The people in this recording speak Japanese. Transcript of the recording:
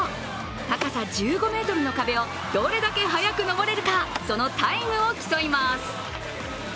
高さ１５ｍの壁をどれだけ速く登れるか、そのタイムを競います。